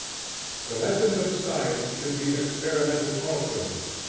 The lessons of science should be experimental also.